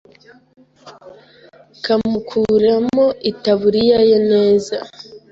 kamukuramo itaburiya ye neza